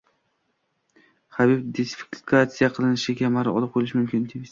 Xabib diskvalifikatsiya qilinishi, kamari olib qoʻyilishi mumkin.